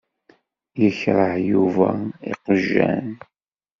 Yekṛeh Yuba iqjan.